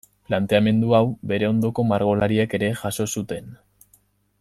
Planteamendu hau bere ondoko margolariek ere jaso zuten.